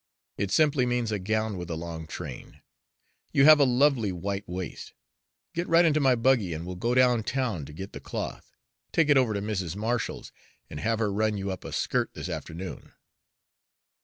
It simply means a gown with a long train. You have a lovely white waist. Get right into my buggy, and we'll go down town to get the cloth, take it over to Mrs. Marshall's, and have her run you up a skirt this afternoon."